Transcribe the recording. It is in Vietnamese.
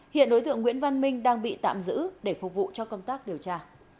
hiện đối tượng nguyễn văn minh đang bị tạm giữ để phục vụ cho công tác điều tra